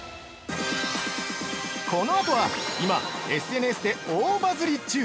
◆このあとは今ＳＮＳで大バズり中！